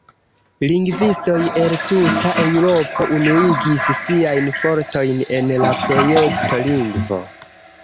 Lingvistoj el tuta Eŭropo unuigis siajn fortojn en la projekto lingvo.